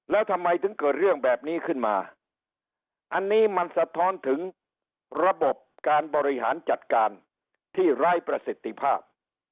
แล้วทำไมถึงเกิดเรื่องแบบนี้ขึ้นมาอันนี้มันสะท้อนถึงระบบการบริหารจัดการที่ไร้ประสิทธิภาพ